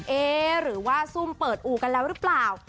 เอ๊ะหรือว่าซุ่มเปิดอู่กันแล้วหรือเปล่า